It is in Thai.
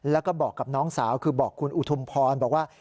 แล้วก็บอกกับน้องสาวคือบอกคุณอุทุมพรบอกว่า